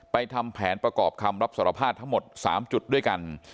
ทำแผนประกอบคำรับสารภาพทั้งหมด๓จุดด้วยกัน